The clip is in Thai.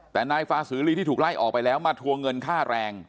แต่นายฟาสือลีที่ถูกไล่ออกไปแล้วมาทวงเงินค่าแรง